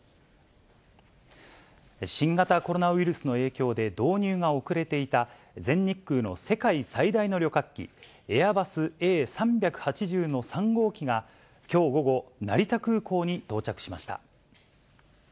新型コロナウイルスの影響で、導入が遅れていた、全日空の世界最大の旅客機、エアバスＡ３８０の３号機が、きょう午後、成田空港に到着しました。